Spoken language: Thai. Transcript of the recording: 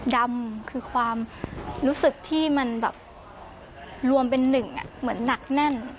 ดำคือความรู้สึกที่มันแบบรวมเป็นหนึ่งเหมือนหนักแน่น